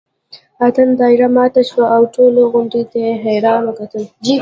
اتڼ دایره ماته شوه او ټولو غونډۍ ته حیران وکتل.